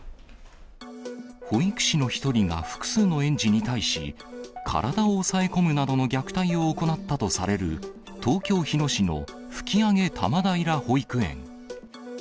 保育士の１人が複数の園児に対し、体を押さえ込むなどの虐待を行ったとされる、東京・日野市の吹上多摩平保育園。